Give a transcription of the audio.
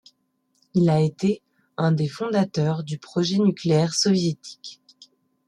Il a été un des fondateurs du projet nucléaire soviétique.